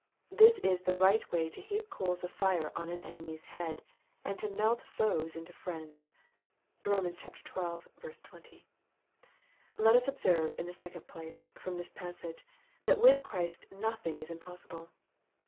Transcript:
This is the right way to heap coals of fire on an enemy's head, and to melt foes into friends. (Rom. xii. 20.) Let us observe, in the second place, from this passage, that with Christ nothing is impossible.